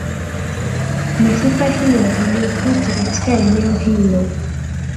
mifupa hiyo iliyokutwa katika eneo hilo